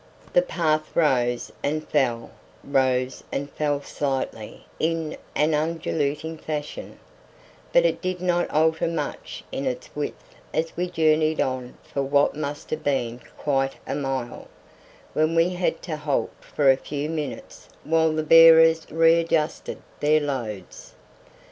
The path rose and fell rose and fell slightly in an undulating fashion, but it did not alter much in its width as we journeyed on for what must have been quite a mile, when we had to halt for a few minutes while the bearers readjusted their loads.